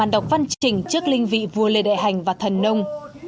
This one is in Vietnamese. đọc văn chỉnh trước linh vị vua lê đệ hành và thần nông